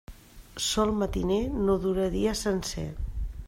Sol matiner no dura dia sencer.